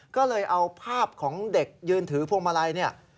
ก็เลยเอาภาพของเด็กยืนถือพวงมาลัยเนี่ย